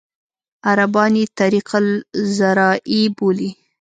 عربان یې طریق الزراعي بولي.